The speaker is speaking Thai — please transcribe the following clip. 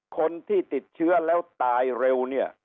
คนที่ติดเชื้อแล้วตายเร็ว